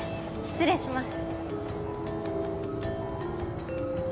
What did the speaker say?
失礼します。